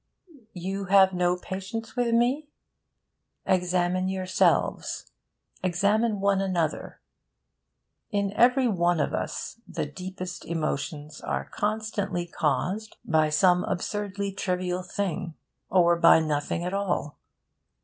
You have no patience with me? Examine yourselves. Examine one another. In every one of us the deepest emotions are constantly caused by some absurdly trivial thing, or by nothing at all.